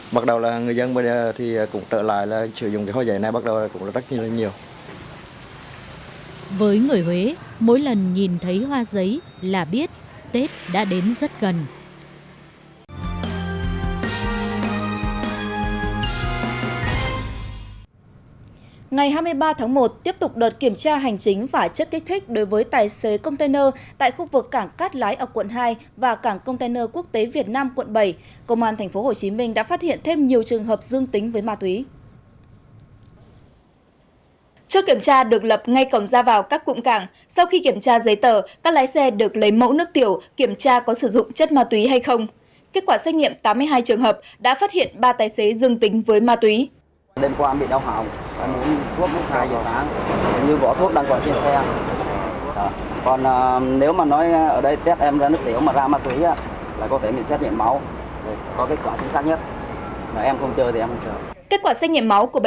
bắt đầu là người dân bây giờ thì cũng trở lại là sử dụng cái hoa giấy này bắt đầu là cũng rất là nhiều